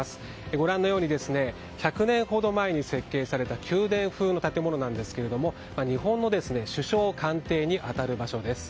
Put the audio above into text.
ご覧のように１００年ほど前に設計された宮殿風の建物なんですが日本の首相官邸に当たる場所です。